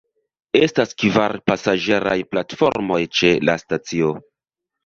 Estas kvar pasaĝeraj platformoj ĉe la stacio.